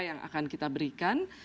yang akan kita berikan